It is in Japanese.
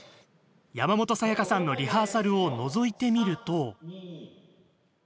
山本彩さんのリハーサルをのぞいてみると。